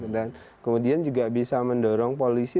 dan kemudian juga bisa mendorong polisi